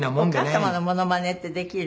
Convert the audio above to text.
お母様のモノマネってできる？